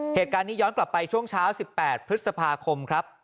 เหตุการณ์นี้ย้อนกลับไปช่วงเช้า๑๘พฤษภาคมครับ